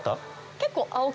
結構。